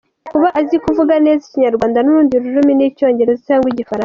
Kuba azi kuvuga neza ikinyarwanda n’urundi rurimi nk’Icyongereza cyangwa Igifaransa .